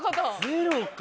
０か！